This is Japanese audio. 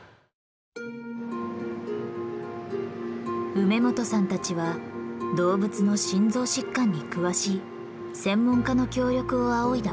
梅元さんたちは動物の心臓疾患に詳しい専門家の協力を仰いだ。